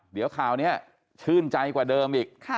เดี๋ยวข่าวนี้ชื่นใจกว่าเดิมอีก